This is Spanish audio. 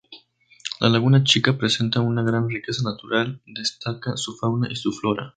La Laguna Chica presenta una gran riqueza natural, destaca su fauna y su flora.